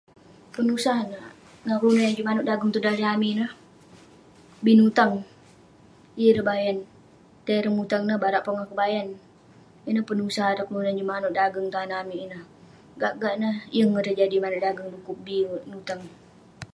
penusah neh ngan kelunan yah juk manouk dageng tong daleh amik ineh, bi nutang, yeng ireh bayan..tai ireh mutang neh, barak pongah keboyan..ineh penusah ireh kelunan yah manouk dageng tong inak amik ineh, gak gak neh yeng ireh jadi manouk dageng du'kuk bi nutang